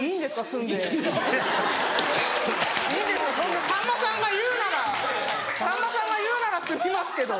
そんなさんまさんが言うならさんまさんが言うなら住みますけど。